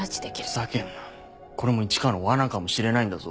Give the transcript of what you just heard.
ふざけんなこれも市川の罠かもしれないんだぞ。